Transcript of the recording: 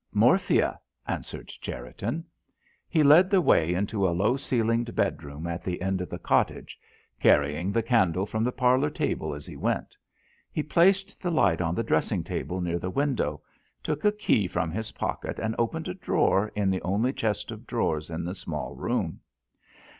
"Morphia," answered Cherriton. He led the way into a low ceilinged bedroom at the end of the cottage, carrying the candle from the parlour table as he went. He placed the light on the dressing table near the window, took a key from his pocket, and opened a drawer in the only chest of drawers in the small room.